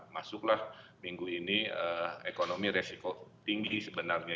masuklah minggu ini ekonomi resiko tinggi sebenarnya